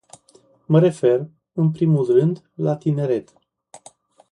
Mă refer, în primul rând, la tineret.